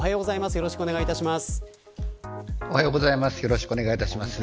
よろしくお願いします。